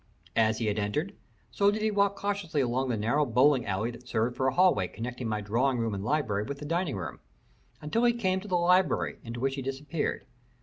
As he had entered, so did he walk cautiously along the narrow bowling alley that serves for a hallway connecting my drawing room and library with the dining room, until he came to the library, into which he disappeared.